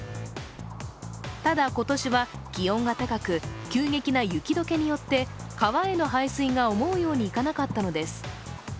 ただ、今年は気温が高く急激な雪解けによって川への排水が思うようにいかなかったのです。